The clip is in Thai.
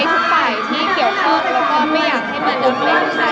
หรือว่าหนูขอเก็บไว้เป็นเรื่องความสำหรับตัวหนูเองดีกว่า